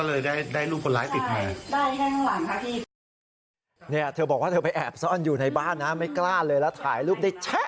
หนูพยายามพยายามว่าพี่อย่าทำอะไรหนูนะ